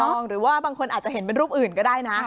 หรือว่าบางคนอาจจะเห็นเป็นรูปอื่นก็ได้นะ